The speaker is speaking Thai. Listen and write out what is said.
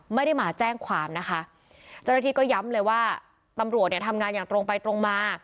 ไม่ได้มาแจ้งความนะคะเจ้าหน้าที่ก็ย้ำเลยว่าตำรวจเนี่ยทำงานอย่างตรงไปตรงมา